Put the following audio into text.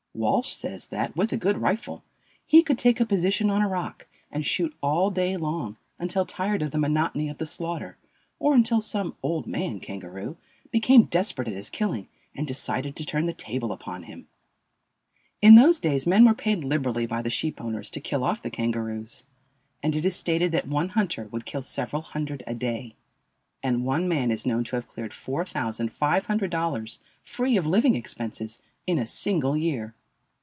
Walsh says that, with a good rifle, he could take a position on a rock and shoot all day long, until tired of the monotony of the slaughter, or until some "old man" kangaroo became desperate at his killing and decided to turn the table upon him. In those days men were paid liberally by the sheepowners to kill off the kangaroos, and it is stated that one hunter would kill several hundred a day, and one man is known to have cleared $4,500, free of living expenses, in a single year.